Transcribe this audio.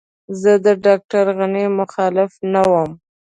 زه د ډاکټر غني مخالف نه وم.